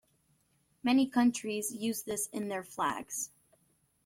Many countries use this in their flags.